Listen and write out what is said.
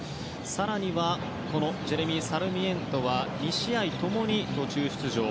更にはジェレミー・サルミエントは２試合共に途中出場。